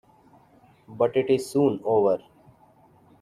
But it is soon over.